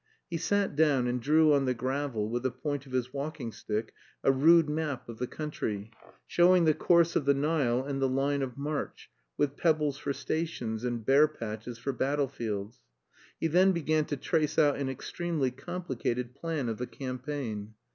He sat down and drew on the gravel with the point of his walking stick a rude map of the country, showing the course of the Nile and the line of march, with pebbles for stations, and bare patches for battlefields. He then began to trace out an extremely complicated plan of the campaign.